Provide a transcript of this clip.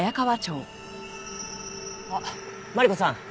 あっマリコさん。